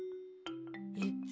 えっ？